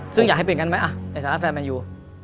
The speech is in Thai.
ซึ่งอยากให้เปลี่ยนกันไหมในฐานะแฟนแมนยู